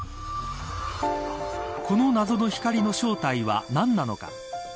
この謎の光の正体は何なのか。